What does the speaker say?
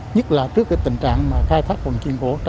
nhất là trước cái tình trạng mà khai thác